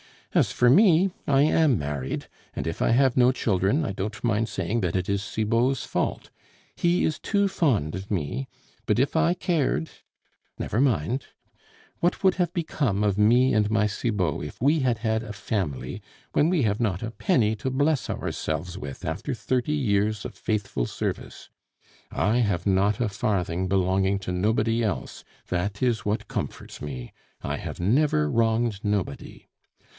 "As for me, I am married; and if I have no children, I don't mind saying that it is Cibot's fault; he is too fond of me, but if I cared never mind. What would have become of me and my Cibot if we had had a family, when we have not a penny to bless ourselves with after thirty years' of faithful service? I have not a farthing belonging to nobody else, that is what comforts me. I have never wronged nobody.